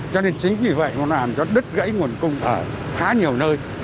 cho nên chính vì vậy nó làm cho đứt gãy nguồn cung ở khá nhiều nơi